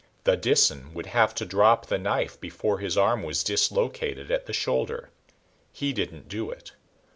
The Disan would have to drop the knife before his arm was dislocated at the shoulder. He didn't do it.